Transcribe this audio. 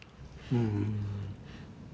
うん。